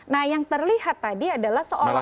nah yang terlihat tadi adalah seolah olah